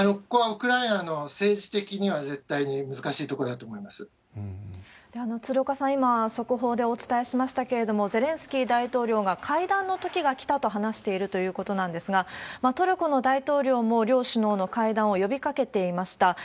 ここはウクライナ政治的には絶対鶴岡さん、今、速報でお伝えしましたけれども、ゼレンスキー大統領が、会談のときが来たと話しているということなんですが、トルコの大統領も両首脳の会談を呼びかけていました。